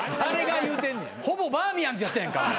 ほぼバーミヤンズやったやんか。